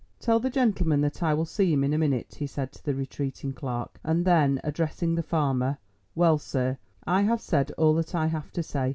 "Tell the gentleman that I will see him in a minute," he said to the retreating clerk, and then, addressing the farmer, "Well, sir, I have said all that I have to say.